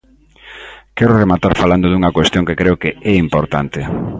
Quero rematar falando dunha cuestión que creo que é importante.